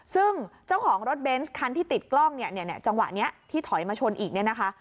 ซึ่งเจ้าของรถเบนส์คันที่ติดกล้องเนี่ยจังหวะนี้ที่ถอยมาชนอีกเนี่ยนะคะ